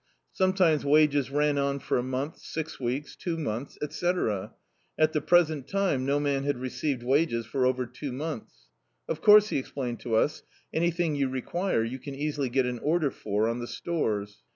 Some times wages ran on for a month, six weeks, two months, etc. At the present time no man had re ceived wages for over two months. "Of course," he explained to us, *'an)rthing you require you can easily get an order for on the stores."